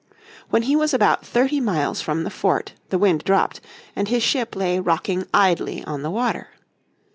When he was about thirty miles from the fort the wind dropped, and his ship lay rocking idly on the water.